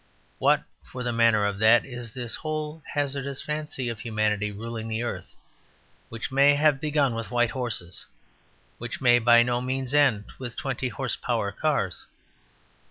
What (for the matter of that) is this whole hazardous fancy of humanity ruling the earth, which may have begun with white horses, which may by no means end with twenty horse power cars?